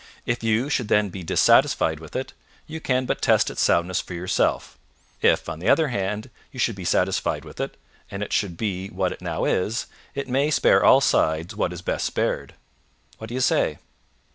If you should then be dissatisfied with it, you can but test its soundness for yourself; if, on the other hand, you should be satisfied with it, and it should be what it now is, it may spare all sides what is best spared. What do you say?"